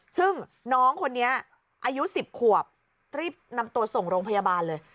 ซึ่งน้องคนนี้อายุ๑๐ขวบรีบนำตัวส่งโรงพยาบาลเลย